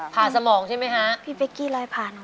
ผ่าสมองใช่ไหมฮะ